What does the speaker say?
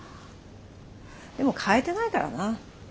でも変えてないからな。